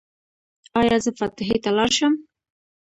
ایا زه فاتحې ته لاړ شم؟